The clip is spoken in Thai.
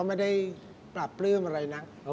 ไม่ได้ปรับปลื้มอะไรนะ